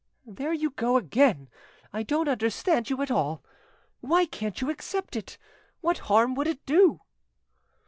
"There you go again! I don't understand you at all! Why can't you accept? What harm would it do?"